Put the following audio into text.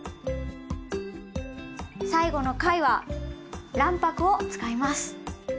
最後の回は卵白を使います。